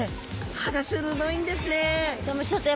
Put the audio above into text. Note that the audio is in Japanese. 歯が鋭いんですね。